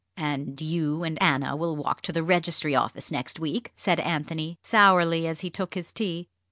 "And you and Anna will walk to the Registry Office next week?" said Anthony, sourly, as he took his tea.